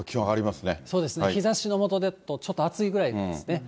そうですね、日ざしの下だとちょっと暑いぐらいですね。